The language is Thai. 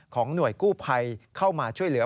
หน่วยกู้ภัยเข้ามาช่วยเหลือ